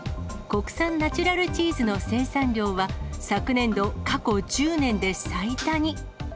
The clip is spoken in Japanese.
国産ナチュラルチーズの生産量は昨年度、過去１０年で最多に。